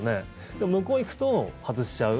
でも、向こうに行くと外しちゃう。